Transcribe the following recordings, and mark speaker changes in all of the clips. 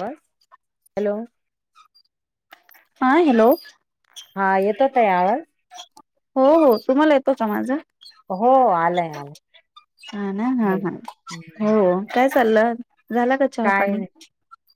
Speaker 1: Hello.
Speaker 2: हा hello
Speaker 1: हा येतो ताई आवाज.
Speaker 2: हो हो तुम्हाला येतो का माझा?
Speaker 1: हो आलाय आलाय
Speaker 2: हा ना हा
Speaker 1: बोला.
Speaker 2: हा
Speaker 1: हम्म,
Speaker 2: हो हो. काय चाललं झाला का जे-
Speaker 1: काय नाही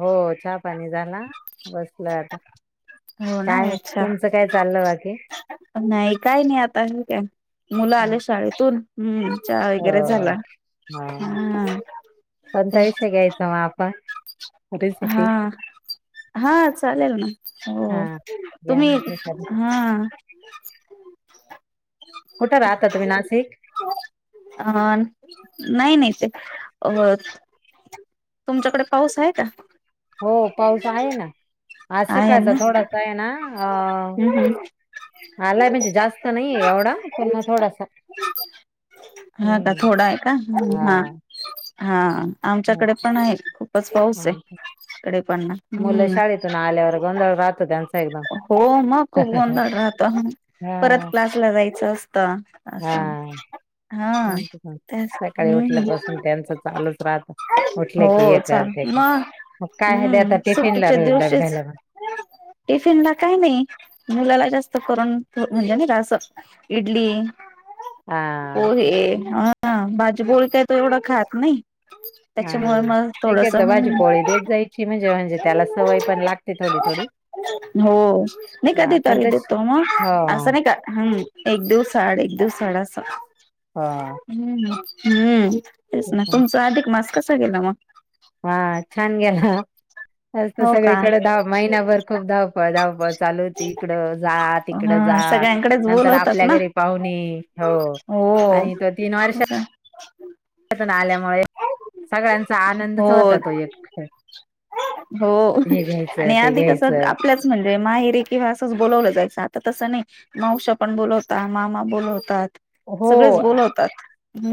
Speaker 1: हो चहा पाणी झाला का. बसलोय आता
Speaker 2: हो ना
Speaker 1: काय
Speaker 2: अच्छा
Speaker 1: तुमचं काय चाललं बाकी.
Speaker 2: नाही काही नाही आता हे काय मुलं
Speaker 1: हा,
Speaker 2: आले शाळेतून. हम्म चहा वगैरे झाला
Speaker 1: हो. हा
Speaker 2: हम-
Speaker 1: कोणता विषय घ्यायचा मग आपण, रेसिपी
Speaker 2: हा हा चालेल ना हो
Speaker 1: हा. या
Speaker 2: तुम्ही हा-
Speaker 1: कुठं राहता तुम्ही नाशिक?
Speaker 2: अ नाही नाही ते- तुमच्याकडे पाऊस आहे का?
Speaker 1: हो पाऊस आहे ना, आज
Speaker 2: आहे
Speaker 1: सकाळचा
Speaker 2: ना
Speaker 1: थोडासा आहे ना अ..
Speaker 2: हम्म हम्म
Speaker 1: आलाय म्हणजे जास्त नाही एवढा पण थोडासा.
Speaker 2: हा का
Speaker 1: हम्म
Speaker 2: थोडा आहे का ह हा हा
Speaker 1: हा,
Speaker 2: आमच्याकडे पण आहे, खूपच पाऊस आहे.
Speaker 1: हा.
Speaker 2: इकडे पण ना.
Speaker 1: मुलं
Speaker 2: हम्म
Speaker 1: शाळेतून आल्यावर गोंधळ राहतो त्यांचा एकदम
Speaker 2: हो मग खूप गोंदळ राहतो ह.
Speaker 1: हा
Speaker 2: तुला जायचं असत अस-
Speaker 1: हा
Speaker 2: हा
Speaker 1: त्यांचं पण
Speaker 2: तेच
Speaker 1: सकाळी
Speaker 2: हम्म.
Speaker 1: उठल्यापासून त्यांचं चालूच राहत उठलं की
Speaker 2: हो
Speaker 1: हे कर
Speaker 2: चाल
Speaker 1: ते कर
Speaker 2: मग
Speaker 1: मग काय आहे ते
Speaker 2: हम्म
Speaker 1: आता टिफिनला
Speaker 2: सुट्टीच्या
Speaker 1: रोज
Speaker 2: दिवशीच.
Speaker 1: डब्याला मग
Speaker 2: टिफिन ला काय नाही. मुलाला जास्त करून म्हणजे नाही रास- इडली
Speaker 1: हा
Speaker 2: पोहे
Speaker 1: अच्छा
Speaker 2: अ हा भाजीपोळी काय तो एवढं खात नाही त्याच्यामुळे
Speaker 1: हा
Speaker 2: मग थोडस
Speaker 1: शक्यतो भाजी पोळी देत जायची म्हणजे म्हणजे त्याला सवय पण लागते थोडी थोडी
Speaker 2: हो नाही
Speaker 1: हा
Speaker 2: कधी
Speaker 1: पण
Speaker 2: तरी
Speaker 1: तशी
Speaker 2: देतो मग
Speaker 1: हो
Speaker 2: असं नाही का हम्म एक दिवस आड एक दिवसाआड असं
Speaker 1: हा
Speaker 2: हम्म हम्म तेच ना
Speaker 1: पण.
Speaker 2: तुमचा अधिक मास कसा गेला मग?
Speaker 1: हा छान गेला असत
Speaker 2: हो
Speaker 1: सगळी
Speaker 2: का?
Speaker 1: इकड धाव महिन्याभर खूप धावपळ धावपळ चालू होती इकडं जा इकड
Speaker 2: हा
Speaker 1: जा
Speaker 2: सगळ्यांकडेच
Speaker 1: नंतर
Speaker 2: बोलवतात
Speaker 1: आपल्या
Speaker 2: ना.
Speaker 1: घरी पाहुणे हो आणि तो तीन वर्ष
Speaker 2: हो.
Speaker 1: आल्यामुळे सगळ्यांचा आनंदच होत
Speaker 2: हो
Speaker 1: तो एकेळ
Speaker 2: हो आणि आधी कस
Speaker 1: घ्यायचं
Speaker 2: आपल्याच म्हणजे माहेरे किंवा असंच बोलावलं जायचं आता तसं नाही मावशा पण बोलवतात मामा बोलवतात
Speaker 1: हो
Speaker 2: सगळेच बोलवतात.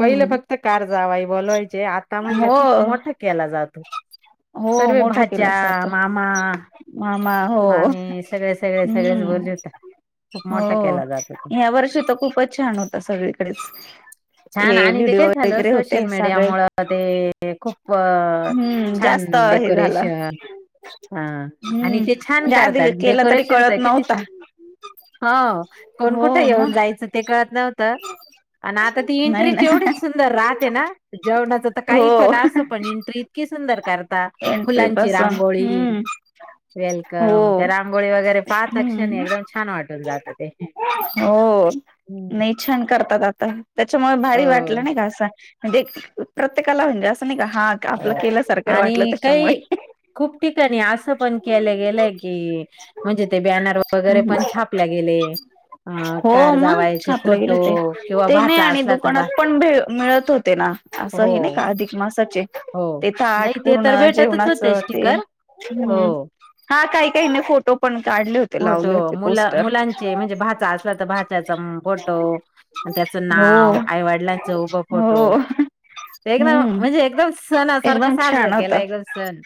Speaker 1: पहिले फक्त कार जावाई बोलवायचे आता म्हणजे
Speaker 2: हो
Speaker 1: खूप मोठा केला जातो
Speaker 2: हो मोठा केला
Speaker 1: च्या
Speaker 2: जातो
Speaker 1: मामा
Speaker 2: मामा हो
Speaker 1: मामी सगळे सगळे सगळेच बोलले
Speaker 2: हम्म.
Speaker 1: होते खूप मोठा
Speaker 2: हो
Speaker 1: केला जातो तो
Speaker 2: या वर्षी तर खूपच छान होत सगळीकडेच
Speaker 1: छान
Speaker 2: हे
Speaker 1: आणि ते काय
Speaker 2: व्हिडिओ
Speaker 1: झालं
Speaker 2: वगैरे
Speaker 1: सोशल
Speaker 2: होते
Speaker 1: मीडिया
Speaker 2: सगळे
Speaker 1: मुळ ते खूप
Speaker 2: हम्म
Speaker 1: छान.
Speaker 2: जास्त हे झालं
Speaker 1: डेकोरेशन हा. किती छान
Speaker 2: हम्म
Speaker 1: करतात
Speaker 2: आधी केलं तरी
Speaker 1: डेकोरेशन तर
Speaker 2: कळत
Speaker 1: किती
Speaker 2: नव्हता
Speaker 1: छान हो कोण
Speaker 2: हो
Speaker 1: कुठं
Speaker 2: मग
Speaker 1: येऊन जायचं ते कळत नव्हतं आणि आता ती
Speaker 2: नाही ना
Speaker 1: एंट्रीची एवढीच सुंदर राहते ना जेवणाच तर
Speaker 2: हो
Speaker 1: काही पण अस पण एंट्री इतकी सुंदर करता
Speaker 2: एंट्री
Speaker 1: फुलांची
Speaker 2: पासून
Speaker 1: रांगोळी
Speaker 2: हम्म हो
Speaker 1: वेलकम त्या रांगोळी वगैरे पाच लक्ष
Speaker 2: हम्म
Speaker 1: एकदम छान वाटून जात ते.
Speaker 2: हो
Speaker 1: हम्म
Speaker 2: नाही छान करतात आता. त्याच्यामुळे भारी
Speaker 1: हो
Speaker 2: वाटलं नाही का असं म्हणजे प्रत्येकाला म्हणजे असं नाही का हा आपलं
Speaker 1: हो
Speaker 2: केल्यासारखं वाटलं
Speaker 1: आणि
Speaker 2: त्याच्यामुळे
Speaker 1: काही खूप ठिकाणी असं पण केलं गेलंय की म्हणजे ते बॅनर वगैरे
Speaker 2: हम्म
Speaker 1: पण छापल्या गेले अ
Speaker 2: हो
Speaker 1: कार
Speaker 2: मग
Speaker 1: जावायचे
Speaker 2: छापलं
Speaker 1: फोटो
Speaker 2: गेलं ते
Speaker 1: किंवा
Speaker 2: ते नाही
Speaker 1: भाचा
Speaker 2: आणि
Speaker 1: असला तर
Speaker 2: दुकानात
Speaker 1: बा
Speaker 2: पण भे मिळत होते ना. असं
Speaker 1: हो
Speaker 2: हे नाही का अधिक मासाचे.
Speaker 1: हो
Speaker 2: ते थाठ
Speaker 1: नाही ते तर
Speaker 2: पूर्ण
Speaker 1: भेटतच होते
Speaker 2: जेवणाचं ते
Speaker 1: स्टिकर
Speaker 2: हम्म
Speaker 1: हो
Speaker 2: हा काही काही न फोटो पण काढले होते
Speaker 1: फोटो
Speaker 2: लावले होते
Speaker 1: मुला
Speaker 2: पोस्टर.
Speaker 1: मुलांचे म्हणजे भाचा असला तर भाच्याचा फोटो त्याचं
Speaker 2: हो
Speaker 1: नाव आईवडिलांच उभं
Speaker 2: हो
Speaker 1: फोटो ते एकदम
Speaker 2: हम्म
Speaker 1: म्हणजे एकदम सणासारखं
Speaker 2: एकदम
Speaker 1: साजरां
Speaker 2: छान होत
Speaker 1: केलाय ग सण.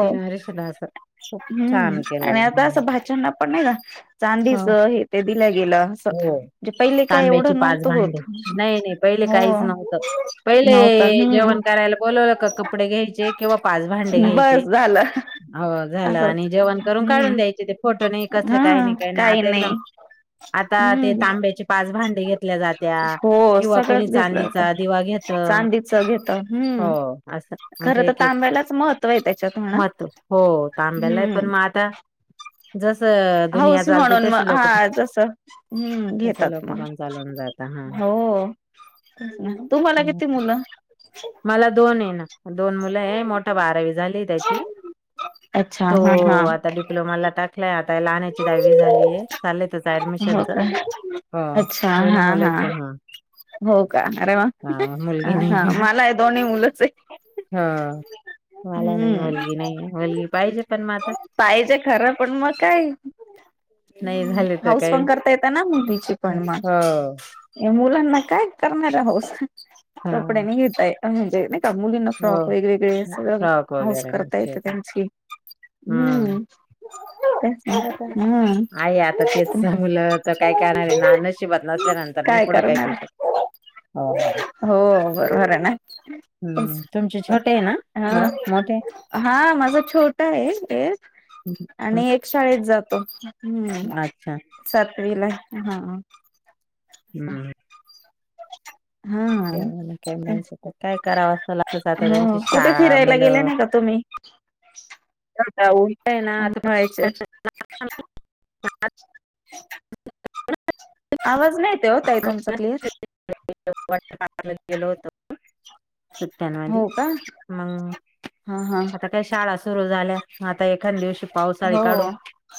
Speaker 1: तीन वर्षाला असं खूप
Speaker 2: हम्म
Speaker 1: छान
Speaker 2: आणि
Speaker 1: केलेलं
Speaker 2: आता असं भाचना पण नाही का. चांदीच
Speaker 1: हो.
Speaker 2: हे ते दिल्या गेलं असं
Speaker 1: हो
Speaker 2: म्हणजे पहिले काय
Speaker 1: तांब्याची
Speaker 2: एवढं
Speaker 1: पाच
Speaker 2: नव्हतं
Speaker 1: भांडे
Speaker 2: होत.
Speaker 1: नाही नाही पहिले
Speaker 2: हो
Speaker 1: काहीच नव्हतं पहिले
Speaker 2: नव्हत हम्म
Speaker 1: जेवण करायला बोलवलं का कपडे घ्यायचे किंवा पाच भांडे घ्यायचे
Speaker 2: बस झालं
Speaker 1: झा
Speaker 2: असंच
Speaker 1: आणि जेवण करून
Speaker 2: हम्म
Speaker 1: काढून द्यायचे ते फोटो नाही कसलं
Speaker 2: हा
Speaker 1: काही नाही काय.
Speaker 2: काही नाही.
Speaker 1: आता ते
Speaker 2: हम्म
Speaker 1: तांब्याचे पाच भांडे घेतल्या जात्या
Speaker 2: हो
Speaker 1: किंवा कोणी
Speaker 2: सगळंच घेतलं
Speaker 1: चांदीच.
Speaker 2: होत
Speaker 1: त्या दिवा घेत
Speaker 2: चांदीच घेत
Speaker 1: हो
Speaker 2: हम्म
Speaker 1: अस
Speaker 2: खरं
Speaker 1: म्हणजे
Speaker 2: तर
Speaker 1: एक एक.
Speaker 2: तांब्यालाच महत्त्व आहे त्याच्यात म्हणा
Speaker 1: महत्व हो तांब्याला आहे
Speaker 2: हम्म
Speaker 1: पण मग आता जस दुनिया
Speaker 2: हाऊस
Speaker 1: चालते
Speaker 2: म्हणून
Speaker 1: तसे
Speaker 2: मग
Speaker 1: लोक पण
Speaker 2: हा तस हम्
Speaker 1: तसे
Speaker 2: घेतात
Speaker 1: लोक
Speaker 2: म.
Speaker 1: पण चालून जात हा
Speaker 2: हो तुम्हाला किती मुलं?
Speaker 1: मला दोन हेना दोन मुलं हे मोठ बारावी झाली त्याची.
Speaker 2: अच्छा
Speaker 1: तो
Speaker 2: हा हा
Speaker 1: आता डिप्लोमाला टाकलाय आता लान्ह्या. दहावी झालीय चाललंय त्याच्या
Speaker 2: हो
Speaker 1: ऍडमिशनच
Speaker 2: का
Speaker 1: हो
Speaker 2: अच्छा
Speaker 1: दोन्ही
Speaker 2: हा हा
Speaker 1: मुलांचे.
Speaker 2: हो का अरे वा अ हा मलाही दोन्ही मुलंच हे.
Speaker 1: हा मला नाही
Speaker 2: हम्म
Speaker 1: मुलगी नाही मुलगी पाहिजे पण मग आता.
Speaker 2: पाहिजे खरं पण मग काय.
Speaker 1: नाही झाले तर
Speaker 2: हाऊस
Speaker 1: काही
Speaker 2: पन करता येत ना मुलीची पण मग.
Speaker 1: हो
Speaker 2: या मुलांना काय करणार हे हाऊस
Speaker 1: हा
Speaker 2: कपडे नाही घेताय म्हणजेनाइ. त्या मुलींना
Speaker 1: हो
Speaker 2: फ्रॉक वेगळेे वेगळे सगळं
Speaker 1: फ्रॉक
Speaker 2: हाऊस
Speaker 1: वगैरे
Speaker 2: करता
Speaker 1: नसेल
Speaker 2: येते त्यांची. हम्म. ना
Speaker 1: हो काय
Speaker 2: हम्म
Speaker 1: आहे आता तेच मुलं तर काय करणार आहे ना नशिबात नसल्यानंतर. नाही
Speaker 2: काय
Speaker 1: पुढं
Speaker 2: करणार
Speaker 1: करू शकत
Speaker 2: हो बरोबर आहे ना.
Speaker 1: हम्म तुमचे छोटे आहे ना बाळ
Speaker 2: हा
Speaker 1: मोठे
Speaker 2: हा माझा छोटा आहे एक.
Speaker 1: हम् हा.
Speaker 2: आणि एक शाळेत जातो हम्म सातवीला हे.
Speaker 1: हम्म. त्यामुळे
Speaker 2: हा
Speaker 1: काय
Speaker 2: तेच
Speaker 1: म्हणायचं काय करावं असं लागतच आता
Speaker 2: हो
Speaker 1: त्यांची
Speaker 2: कुठे
Speaker 1: शाळा
Speaker 2: फिरायला गेले
Speaker 1: मुलं
Speaker 2: नाही का तुम्ही. जाता हो
Speaker 1: काय ना आता
Speaker 2: उन्हाळ्याच.
Speaker 1: पण
Speaker 2: ह. आवाज नाहीे येत हे होताई तुमचा क्लियर.
Speaker 1: [unintelligible] गेलो होतो.
Speaker 2: अच्छा.
Speaker 1: सुट्ट्यांमधी मग.
Speaker 2: हा हा
Speaker 1: आता काय शाळा सुरू झाल्या आता एखानं दिवशी पावसाळी
Speaker 2: हो
Speaker 1: काढू.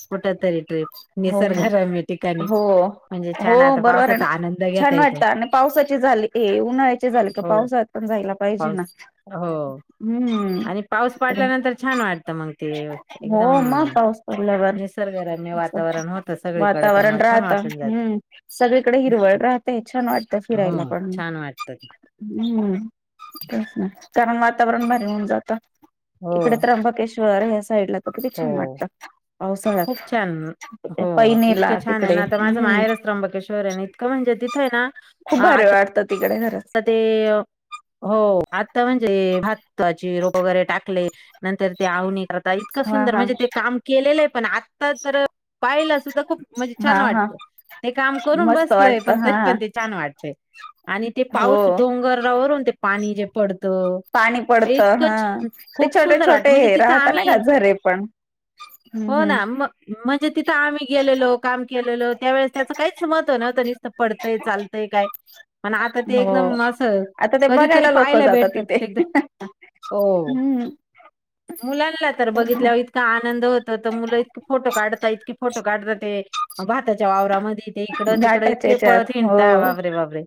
Speaker 1: कुठ तरी ट्रिप
Speaker 2: हो
Speaker 1: निसर्गरम्य ठिकाणी
Speaker 2: हो हो
Speaker 1: म्हणजे
Speaker 2: हो
Speaker 1: छान आता.
Speaker 2: बरोबर आहे ना
Speaker 1: पावसाचा आनंद घेता
Speaker 2: छान
Speaker 1: येतो
Speaker 2: वाटतं आणि पावसाची झाली ए उन्हाळ्याची झाली का
Speaker 1: हो
Speaker 2: पावसात. पण जायला पाहिजे
Speaker 1: पाऊस
Speaker 2: ना.
Speaker 1: हो
Speaker 2: हम्म
Speaker 1: आणि पाऊस
Speaker 2: ते पन हे
Speaker 1: पडल्यानंतर छान वाटतं मग ते एकदम
Speaker 2: हो मग पाऊस. पडल्यावर
Speaker 1: निसर्गरम्य
Speaker 2: अस
Speaker 1: वातावरण होतं सगळीकडे
Speaker 2: वातावरण
Speaker 1: त्यामुळे छान
Speaker 2: राहतं
Speaker 1: वाटून जात
Speaker 2: हम्म. सगळीकडे हिरवळ राहतेय छान वाटत फिरायला
Speaker 1: हो
Speaker 2: पण
Speaker 1: छान वाटत ते.
Speaker 2: हम्म. तेच ना कारण वातावरण भारी होऊन जातं
Speaker 1: हो
Speaker 2: इकडे त्र्यंबकेश्वर ह्या साईड ला. पन किती
Speaker 1: हो
Speaker 2: छान वाटतं.
Speaker 1: खूप
Speaker 2: पावसाळ्यात
Speaker 1: छान हो इतकं
Speaker 2: पैनेला
Speaker 1: छान आहे
Speaker 2: तिकडे
Speaker 1: ना आता माझं
Speaker 2: हम्म
Speaker 1: माहेरच त्र्यंबकेश्वर हेन. खरं म्हणजे तिथं हे ना.
Speaker 2: खूप भरी
Speaker 1: आता
Speaker 2: वाटतं तिकडे खरंच.
Speaker 1: ते य हो आता म्हणजे भाताची रोप वगैरे टाकले. नंतर ते आवणी करता इतकं
Speaker 2: हा
Speaker 1: सुंदर
Speaker 2: हा
Speaker 1: म्हणजे ते काम केलेलं हे पण आत्ता तर पाहिला सुद्धा. खूप म्हणजे
Speaker 2: हा
Speaker 1: छान
Speaker 2: हा
Speaker 1: वाटतं ते काम करून
Speaker 2: मस्त
Speaker 1: बसलयं
Speaker 2: वाटत
Speaker 1: पण तरी
Speaker 2: हा
Speaker 1: पण ते छान वाटतंय आणि ते
Speaker 2: हो
Speaker 1: पाऊस डोंगरावरून ते पाणी जे पडतं.
Speaker 2: पाणी
Speaker 1: ते
Speaker 2: पडतं
Speaker 1: इतकं
Speaker 2: हा
Speaker 1: छान
Speaker 2: ते
Speaker 1: खूप
Speaker 2: छोटे
Speaker 1: सुंदर वाटत
Speaker 2: छोटे
Speaker 1: म्हणजे
Speaker 2: हे
Speaker 1: तिथं
Speaker 2: राहता ना का
Speaker 1: आम्ही.
Speaker 2: झरे पण हम्म
Speaker 1: हो ना
Speaker 2: हम्म
Speaker 1: म म्हणजे तिथं आम्ही गेलेलो काम केलेलं त्यावेळेस त्याचं काहीच मत नव्हतं नसत. पडतंय चालतंय काय पण आता. ते
Speaker 2: हो
Speaker 1: एकदम असं
Speaker 2: आता ते
Speaker 1: कधीतरी
Speaker 2: बघायला लोक
Speaker 1: पाहायला
Speaker 2: जातात
Speaker 1: भेटतं
Speaker 2: तिथे.
Speaker 1: ते एकदम हां. हो.
Speaker 2: हम्म
Speaker 1: मुलांना तर बघितल्यावर इतका आनंद होत, तर मुलं इतक फोटो काढता इतकी फोटो काढतात, ते भाताच्या वावरामध्ये ते इकडं तिकडं
Speaker 2: घाटाच्या
Speaker 1: इतके
Speaker 2: याच्यात
Speaker 1: पळत, हिडता
Speaker 2: हो
Speaker 1: बाबरे बाबरे.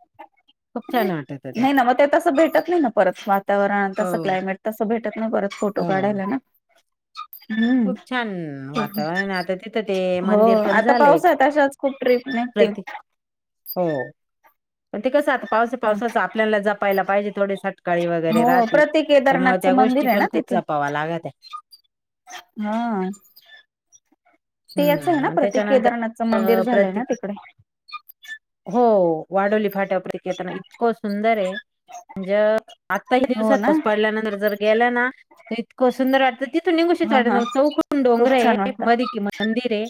Speaker 1: खू छान वाटत
Speaker 2: नाही ना मग ते, तसं भेटत नाही ना, परत वातावरण
Speaker 1: हो,
Speaker 2: तसं क्लायमेट तसं भेटत नाही, परत फोटो
Speaker 1: हो.
Speaker 2: काढायला न हम्म
Speaker 1: खूप छान
Speaker 2: हो
Speaker 1: वातावरण आहे. आता तिथं ते
Speaker 2: हो
Speaker 1: मंदिर पण
Speaker 2: आता
Speaker 1: झालंय
Speaker 2: पाऊसात अशाचं खूप, ट्र्रीप निघतील
Speaker 1: प्रति हो, पण ते कसं आता पावसा
Speaker 2: हा
Speaker 1: पावसाच, आपल्याला जपायला पाहिजे, थोडेस सकाळी वगैरे
Speaker 2: हो
Speaker 1: राहते,
Speaker 2: प्रति
Speaker 1: त्यामुळे
Speaker 2: केदारनाथचं
Speaker 1: त्या गोष्टी
Speaker 2: मंदिर आहे ना
Speaker 1: पण खूप
Speaker 2: तिथे
Speaker 1: जपावा्या लागत, त्या
Speaker 2: हा ते याच आहे
Speaker 1: हम्म,
Speaker 2: ना
Speaker 1: आणि
Speaker 2: प्रति केदारनाथचं मंदिर
Speaker 1: त्याच्यानंतर
Speaker 2: झालंय ना
Speaker 1: प्रतिक
Speaker 2: तिकडे
Speaker 1: हो, वाडोली फाट्यापताना इतकं सुंदर आहे म्हणजे आत्ताही
Speaker 2: हो
Speaker 1: दिवसात
Speaker 2: ना
Speaker 1: पाऊस पडल्यानंतर जर गेला ना तर इतकं सुंदर वाटत त निघूशीच
Speaker 2: हा
Speaker 1: वाट
Speaker 2: हा
Speaker 1: चौकून
Speaker 2: खूप
Speaker 1: डोंगर आहे,
Speaker 2: छान वाटत
Speaker 1: मध कि मंदिर आहे,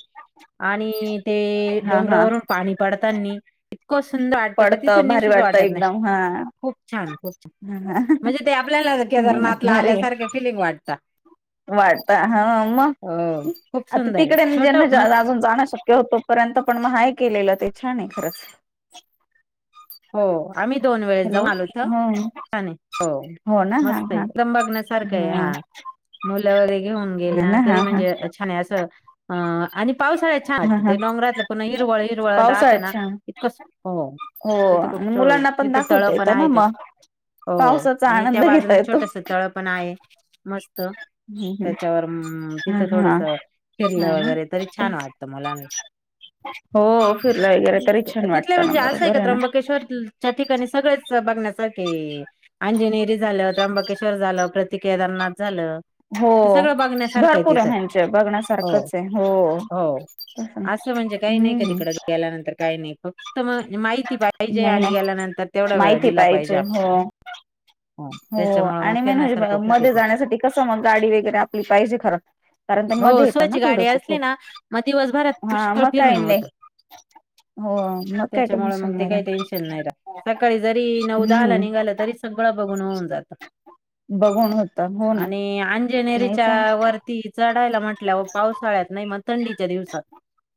Speaker 1: आणि ते
Speaker 2: हा हा
Speaker 1: डोंगरावरून पाणी पडतानी इतकं सुंदर वाटतो, का
Speaker 2: पडत
Speaker 1: तिथं
Speaker 2: भारी
Speaker 1: न्यूशीिच वाटत नाही.
Speaker 2: एकदम हा.
Speaker 1: खूप छान खूप छान
Speaker 2: हा हा.
Speaker 1: म्हणजे, ते आपल्याला के जर
Speaker 2: नाही ना
Speaker 1: नातला
Speaker 2: भारी
Speaker 1: आल्यासारख्या फिलिंग वाटतं
Speaker 2: वाटत, हा मग
Speaker 1: हो खूप
Speaker 2: आता
Speaker 1: सुंदर आहे
Speaker 2: तिकडे
Speaker 1: छोट
Speaker 2: ज्यांना,
Speaker 1: म्हणजे
Speaker 2: जास्त अजून जाणं शक्य होतो, पर्यंत पण मग हेय केलेलं, ते छान आहे, खरं
Speaker 1: हो, आम्ही दोन वेळेस
Speaker 2: हॅलो
Speaker 1: जाऊन आलोत,
Speaker 2: हो
Speaker 1: छान हो
Speaker 2: हो ना हा
Speaker 1: मस्त
Speaker 2: हा
Speaker 1: आहे बघण्यासारखं आहे, हा मुलं वगैरे घेऊन गेल
Speaker 2: हा
Speaker 1: ना तरी
Speaker 2: हा हा
Speaker 1: म्हणजे, छाान असं अ, आणि पावसाळ्यात छान
Speaker 2: हा
Speaker 1: वाटतं,
Speaker 2: हा
Speaker 1: ते डंगरातले पुन्हा हिरवळ हिरवळ राहतं
Speaker 2: पावसाळ्यात
Speaker 1: ना
Speaker 2: छान
Speaker 1: इतकं हो
Speaker 2: हो
Speaker 1: तिथे खूप
Speaker 2: आणि
Speaker 1: च
Speaker 2: मुलांना पण
Speaker 1: तिथे तळ
Speaker 2: दाखवता
Speaker 1: पण
Speaker 2: येतं ना
Speaker 1: आहे, ते
Speaker 2: मग
Speaker 1: हो
Speaker 2: पावसाचा
Speaker 1: आणि त्या
Speaker 2: आनंद घेता
Speaker 1: बाजूनून
Speaker 2: येतो
Speaker 1: छोटस तळ पण आहे, मस्त
Speaker 2: हम्म हम्म
Speaker 1: त्याच्यावर
Speaker 2: हा
Speaker 1: तिथं थोडस
Speaker 2: हा हा
Speaker 1: फिरलं
Speaker 2: ना
Speaker 1: वगैरे तरी छान वाटत, मुलां
Speaker 2: हो, फिरलं वगैरे तरी छान वाटतं, ना बरोबर आहे ना
Speaker 1: ेश्वरच्या ठिकाणी सगळेच बघण्यासाठी अंजनेरी झालं, त्र्यंबकेश्वर झालं, प्रतिक केदारनाथ झालं,
Speaker 2: हो
Speaker 1: ते, सगळं बघण्यासारखं आहे, त
Speaker 2: भरपूर
Speaker 1: इिथं
Speaker 2: म्हणजे
Speaker 1: हो
Speaker 2: बघण्यासारखंच आहे हो
Speaker 1: हो
Speaker 2: तस ना
Speaker 1: असं म्हणजे, काही नाही का
Speaker 2: हम्म
Speaker 1: तिकडं गेल्यानंतर काही नाही फक्त मग माहिती पाहिजे,
Speaker 2: नाही
Speaker 1: आणि
Speaker 2: ना
Speaker 1: गेल्यानंतर तेवढा वेळ
Speaker 2: माहिती
Speaker 1: दिला पाहिजे, आपला
Speaker 2: हो हो आणि मी म्हणजे,
Speaker 1: खूप आहे
Speaker 2: मध्ये
Speaker 1: तिथं.
Speaker 2: जाण्यासाठी कसं मग गाडी वगैरे आपली पाहिजे खरं कारण तर मध्ये
Speaker 1: हो,
Speaker 2: येत ना,
Speaker 1: स्वतःची गाडी
Speaker 2: थोडस
Speaker 1: असली
Speaker 2: खूप
Speaker 1: ना मग दिवसभरात
Speaker 2: हा
Speaker 1: पुष्कळ
Speaker 2: मग
Speaker 1: फिरणं
Speaker 2: काही नाही,
Speaker 1: होतं.
Speaker 2: हो काय
Speaker 1: त्याच्यामुळे मग
Speaker 2: टेन्शन
Speaker 1: ते
Speaker 2: नाही
Speaker 1: काही
Speaker 2: राहत.
Speaker 1: टेन्शन नाही रा सकाळी जरी नऊदा आला
Speaker 2: हम्म
Speaker 1: निघालं तरी सगळ बघून होऊन जात,
Speaker 2: बघून होत हो ना
Speaker 1: आणि
Speaker 2: नाही
Speaker 1: अजनेरीच्या
Speaker 2: चांग
Speaker 1: वरती चढायला म्हटल्या पावसाळ्यात नाही मग थंडीच्या दिवसात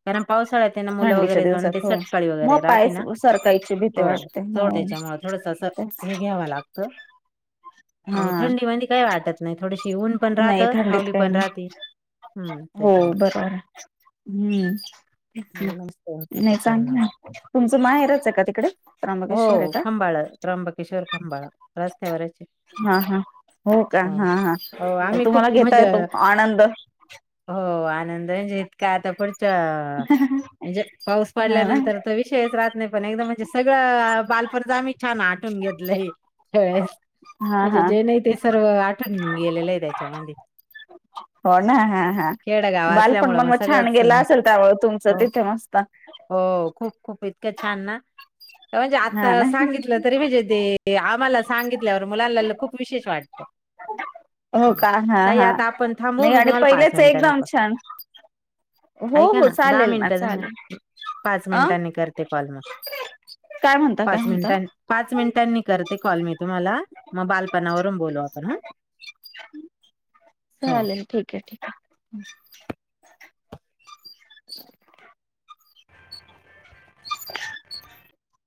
Speaker 1: कारण पावसाळ्यात त्यांना मुलं
Speaker 2: थंडीच्या
Speaker 1: वगैरे जाण
Speaker 2: दिवसात
Speaker 1: ते
Speaker 2: हो.
Speaker 1: सटकाळी वगैरे
Speaker 2: मग पाय सरकायची भीती वाटते हो
Speaker 1: त्याच्यामुळे थड थ,
Speaker 2: तेच
Speaker 1: का,
Speaker 2: हा
Speaker 1: वा
Speaker 2: नाही थंडीत काही नाही,
Speaker 1: हम्म
Speaker 2: हो
Speaker 1: त्याच्यामुळे
Speaker 2: बरोबर आहे. हम्म,
Speaker 1: एकदम मस्त होतं इथं
Speaker 2: नाही ांग
Speaker 1: फिरणं
Speaker 2: ना तुमचं माहेरच आहे का? तिकडे
Speaker 1: हो
Speaker 2: राबगेश्वरा ला.
Speaker 1: खंबाळ त्र्यंबकेश्वर खंबाळ रस्त्यावरच आहे.
Speaker 2: हा! हा! होका?
Speaker 1: हो
Speaker 2: हा! हा!
Speaker 1: हो आम्ही !
Speaker 2: तुम्हाला
Speaker 1: खूप
Speaker 2: घेता,
Speaker 1: म्हणजे
Speaker 2: येतो आनंद!
Speaker 1: हो! आनंद म्हजे इतका? आता पुढच्या म्हणजे पाऊस
Speaker 2: हा ना
Speaker 1: पडल्यानंतर त शेस राहत नाही पण एकदम म्हणजे, सगळं बालपरता आम्ही छान आटून घेतलंय शेळस
Speaker 2: हा
Speaker 1: म्हणजे
Speaker 2: हा
Speaker 1: जे नाही ते सर्व आठवण गेलेलं आहेत चवहाते
Speaker 2: हो, ना? हा! हा!
Speaker 1: खेडगाव !
Speaker 2: बालपण
Speaker 1: असल्यामुळं
Speaker 2: मन मग छान
Speaker 1: सगळंच
Speaker 2: गेला असेल त्यामुळे तुमचं
Speaker 1: हो
Speaker 2: तिथे मस्त!
Speaker 1: हो खूप खूप इतकं छान! ना तवा जे आता
Speaker 2: हा ना
Speaker 1: सांगितलं तरी म्हणजे ते आम्हाला सांगितल्यावर मुलांला खूप विशेष वाटत!
Speaker 2: हो का हा
Speaker 1: काही
Speaker 2: हा
Speaker 1: आता आपण थांबव
Speaker 2: नाही
Speaker 1: मी,
Speaker 2: आणि
Speaker 1: तुम्हाला पाच
Speaker 2: पहिलेच
Speaker 1: मिनिटांनी
Speaker 2: एकदम
Speaker 1: करतो.
Speaker 2: छान हो
Speaker 1: ऐका
Speaker 2: हो
Speaker 1: ना! दहा
Speaker 2: चालेल ना
Speaker 1: मिनिट
Speaker 2: चालेल
Speaker 1: झाले पाच
Speaker 2: अ
Speaker 1: मिनिटांनी करते. करते कॉल! म
Speaker 2: काय म्हणता काय
Speaker 1: पाच
Speaker 2: म्हणता
Speaker 1: मिनटां आहेत. पाच मिनिटांनी करते. कॉल मी तुम्हाला मग बालपणावर! मगबोलू आपण हं! !
Speaker 2: ठीक आहे, का? ह [inaudible] [unintelligible] [inaudible]